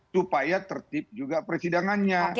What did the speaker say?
supaya tertip juga persidangannya